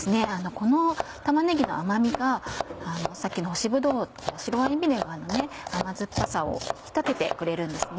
この玉ねぎの甘みがさっきの干しぶどう白ワインビネガーの甘酸っぱさを引き立ててくれるんです。